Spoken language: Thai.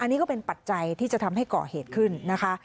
อันนี้ก็เป็นปัจจัยที่จะทำให้ก่อเหตุขึ้นนะคะ